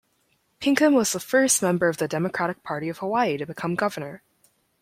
Pinkham was the first member of the Democratic Party of Hawaii to become governor.